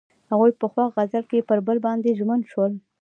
هغوی په خوښ غزل کې پر بل باندې ژمن شول.